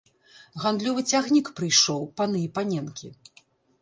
Гандлёвы цягнік прыйшоў, паны і паненкі!